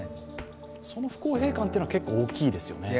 その不公平感は結構大きいですよね。